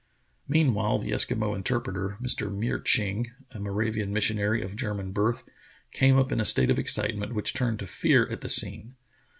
Meanwhile the Eskimo interpreter, Mr. Miertsching, a Moravian missionary of German birth, came up in a state of excitement which turned to fear at the scene.